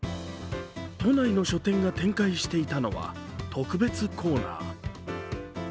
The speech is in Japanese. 都内の書店が展開していたのは特別コーナー。